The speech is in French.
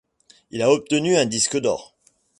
Il a obtenu un disque d'or.